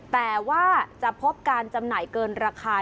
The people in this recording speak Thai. แต่ว่าจะพบการจำหน่ายเกินราคา